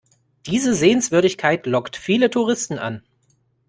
Diese Sehenswürdigkeit lockt viele Touristen an.